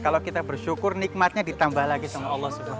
kalau kita bersyukur nikmatnya ditambah lagi sama allah swt